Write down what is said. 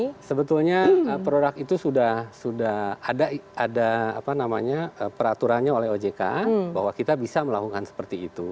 ya sebetulnya produk itu sudah ada peraturannya oleh ojk bahwa kita bisa melakukan seperti itu